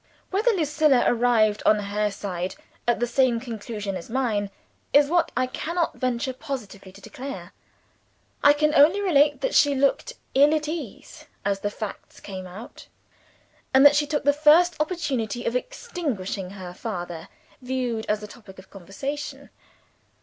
Whether Lucilla arrived, on her side, at the same conclusion as mine, is what I cannot venture positively to declare. I can only relate that she looked ill at ease as the facts came out; and that she took the first opportunity of extinguishing her father, viewed as a topic of conversation.